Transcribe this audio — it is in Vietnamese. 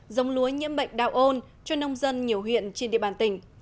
giống lúa nhiễm bệnh đạo ôn cho nông dân nhiều huyện trên địa bàn tỉnh